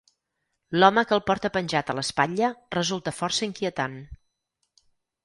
L'home que el porta penjat a l'espatlla resulta força inquietant.